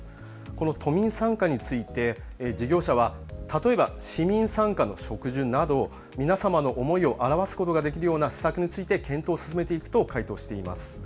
この都民参加につい事業者は例えば、市民参加の植樹など皆様の思いを表すことができるような施策について検討していくと回答しています。